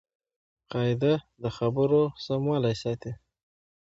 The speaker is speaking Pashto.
قاعده د خبرو سموالی ساتي.